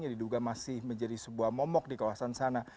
yang diduga masih menjadi sebuah momok di kawasan sana